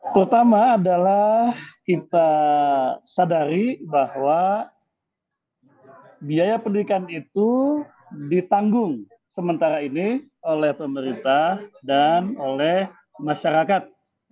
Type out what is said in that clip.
pertama adalah kita sadari bahwa biaya pendidikan itu ditanggung sementara ini oleh pemerintah dan oleh masyarakat